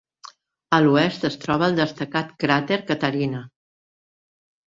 A l'oest es troba el destacat cràter Caterina.